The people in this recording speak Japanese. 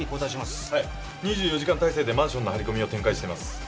２４時間態勢でマンションの張り込みを展開してます。